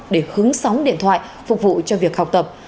để hứng sóng điện thoại phục vụ cho việc học tập